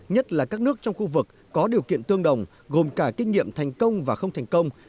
nhất là các nước trong khu vực có điều kiện tương đồng gồm cả kinh nghiệm thành công và không thành công